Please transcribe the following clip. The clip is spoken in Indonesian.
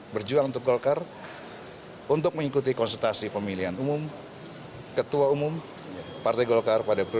berjuang untuk golkar untuk mengikuti konsultasi pemilihan umum ketua umum partai golkar pada periode dua ribu sembilan belas dua ribu dua puluh empat